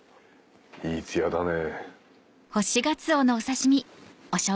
いいツヤだね。